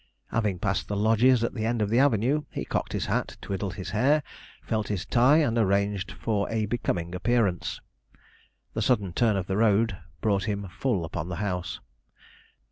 Having passed the lodges at the end of the avenue, he cocked his hat, twiddled his hair, felt his tie, and arranged for a becoming appearance. The sudden turn of the road brought him full upon the house.